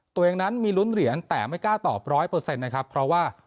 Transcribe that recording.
ตัวเองนั้นมีลุ้นเหรียญแต่ไม่กล้าตอบร้อยเปอร์เซ็นต์นะครับเพราะว่า